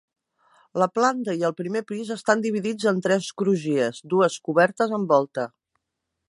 La planta i el primer pis estan dividits en tres crugies, dues cobertes amb volta.